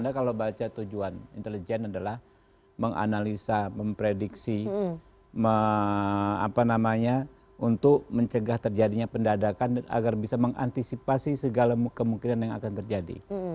anda kalau baca tujuan intelijen adalah menganalisa memprediksi untuk mencegah terjadinya pendadakan agar bisa mengantisipasi segala kemungkinan yang akan terjadi